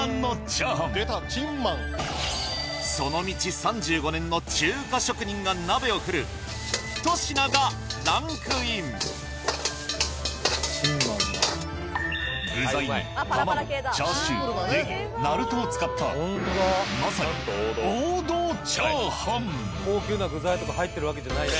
３５年の中華職人が鍋を振るひと品がランクイン具材に玉子チャーシューネギナルトを使ったまさに王道チャーハン高級な具材とか入ってるわけじゃないね。